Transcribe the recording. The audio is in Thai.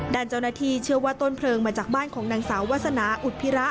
ด้านเจ้าหน้าที่เชื่อว่าต้นเพลิงมาจากบ้านของนางสาววาสนาอุดพิระ